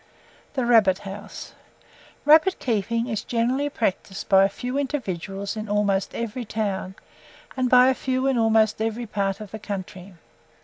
THE RABBIT HOUSE. Rabbit keeping is generally practised by a few individuals in almost every town, and by a few in almost every part of the country.